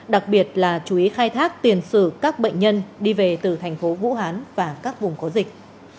đặc biệt là chú ý khai thác tiền sử các bệnh nhân đi về từ thành phố vũ hán và các vùng có dịch